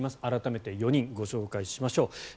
改めて４人ご紹介しましょう。